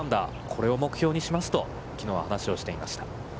これを目標にしますときのうは話をしていました。